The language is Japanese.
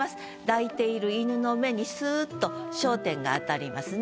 抱いている犬の目にすぅっと焦点が当たりますね。